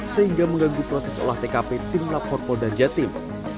sehingga mengganggu proses olah tkp tim lapor polda jatim